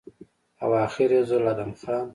او اخر يو ځل ادم خان